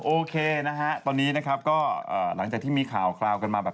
โอเคนะฮะตอนนี้นะครับก็หลังจากที่มีข่าวคราวกันมาแบบ